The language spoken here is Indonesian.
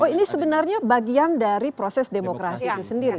ini sebenarnya bagian dari proses demokrasi itu sendiri